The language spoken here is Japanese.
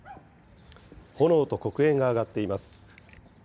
炎と黒煙が上がっています。